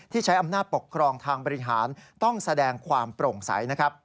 ใช้อำนาจปกครองทางบริหารต้องแสดงความโปร่งใสนะครับ